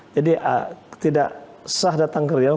jadi tidak sah datang ke riau